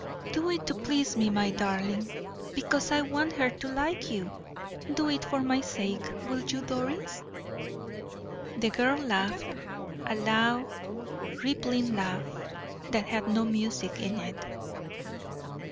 "Do it to please me, my darling, because I want her to like you do it for my sake. Will you, Doris?" The girl laughed a low, rippling laugh, that had no music in it.